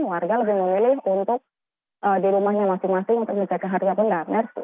warga lebih memilih untuk di rumahnya masing masing untuk menjaga harga